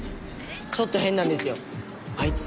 ちょっと変なんですよあいつ。